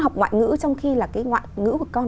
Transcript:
học ngoại ngữ trong khi là cái ngoại ngữ của con